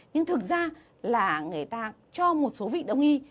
nhưng thực ra là người ta cho một số vị đông y